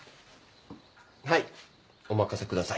はいお任せください。